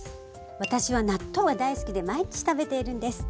私は納豆が大好きで毎日食べているんです。